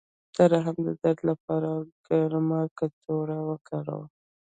د رحم د درد لپاره ګرمه کڅوړه وکاروئ